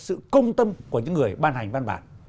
sự công tâm của những người ban hành văn bản